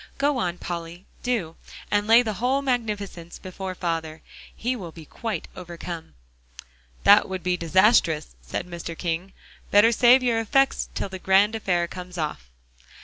"Go on, Polly, do, and lay the whole magnificence before father. He will be quite overcome." "That would be disastrous," said Mr. King; "better save your effects till the grand affair comes off."